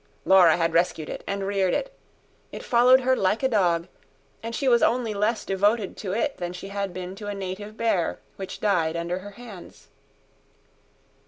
Laura had rescued it and reared it; it followed her like a dog; and she was only less devoted to it than she had been to a native bear which died under her hands.